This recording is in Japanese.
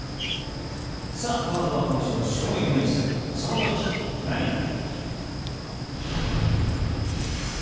このあとは今週の衝撃ニュースその時何が？